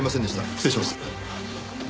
失礼します。